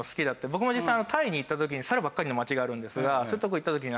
僕も実際タイに行った時にサルばっかりの街があるんですがそういった所行った時に。